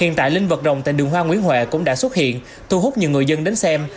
hiện tại linh vật rồng tại đường hoa nguyễn huệ cũng đã xuất hiện thu hút nhiều người dân đến xem